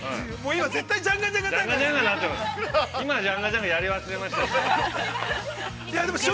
◆今、ジャンガジャンガやり忘れましたし。